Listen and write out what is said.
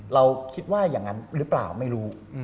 เราคิดว่าอย่างนั้นหรือเปล่าไม่รู้